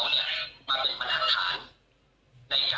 ด้วยกรมปรุษยานเนี้ยไม่สามารถที่จะหลุมมาถึงประจำกวันด้าย